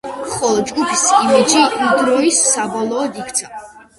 ხოლო ჯგუფის იმიჯი იმ დროის სიმბოლოდ იქცა.